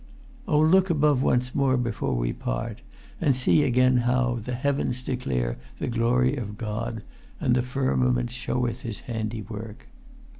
. "O look above once more before we part, and see again how 'The heavens declare the glory of God; and the firmament sheweth his handywork.'